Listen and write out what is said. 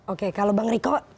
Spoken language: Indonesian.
oke kalau bang riko